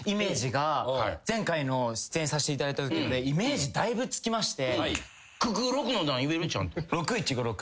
前回の出演させていただいたときイメージだいぶつきまして。